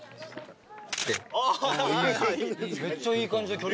めっちゃいい感じ距離感。